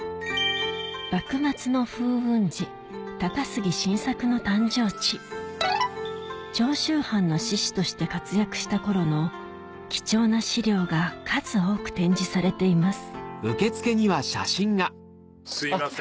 幕末の風雲児長州藩の志士として活躍した頃の貴重な資料が数多く展示されていますすいません。